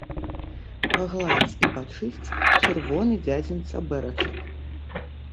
Пагладзь і пачысць чырвоны дзядзін цабэрачак.